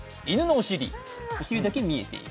お尻だけ見えている。